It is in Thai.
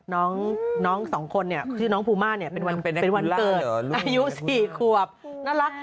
น้องสองคนเนี่ยชื่อน้องภูมาเนี่ยเป็นวันเกิดอายุ๔ขวบน่ารัก